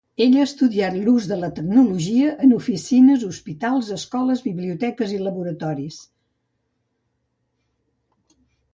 Ella ha estudiat l'ús de la tecnologia en oficines, hospitals, escoles, biblioteques i laboratoris.